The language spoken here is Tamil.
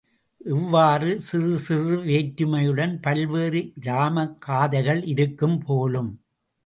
இவ்வாறு சிறுசிறு வேற்றுமையுடன் பல்வேறு இராம காதைகள் இருக்கும் போலும்.